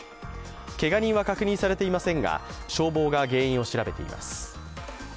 けが人は確認されていませんが消防が原因を調べています。